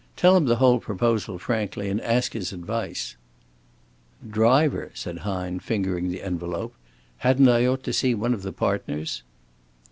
Tell him the whole proposal frankly, and ask his advice." "Driver?" said Hine, fingering the envelope. "Hadn't I ought to see one of the partners?"